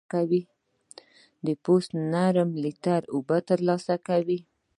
پوست نیم لیټر اوبه له لاسه ورکوي.